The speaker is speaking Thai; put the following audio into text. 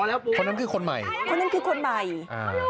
แล้วคนนั้นคือคนใหม่คนนั้นคือคนใหม่อ่า